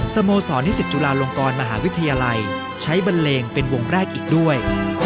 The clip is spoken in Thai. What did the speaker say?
สโมสรนิสิตจุฬาลงกรมหาวิทยาลัยใช้บันเลงเป็นวงแรกอีกด้วย